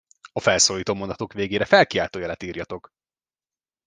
A felszólító mondatok végére felkiáltójelet írjatok!